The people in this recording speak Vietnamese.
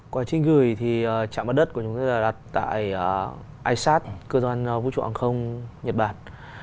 quá trình gửi thì trạm bắt đất của chúng tôi là đặt tại isat cơ doan vũ trụ hàng không nhật bản